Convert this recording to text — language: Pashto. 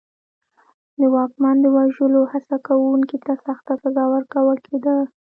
د واکمن د وژلو هڅه کوونکي ته سخته سزا ورکول کېده.